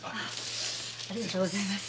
ありがとうございます。